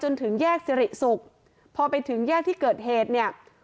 จนถึงแยกศรีษภัณฑ์พอไปถึงแยกที่เกิดเหตุเนี่ย